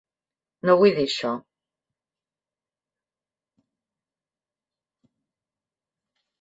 No vull dir això.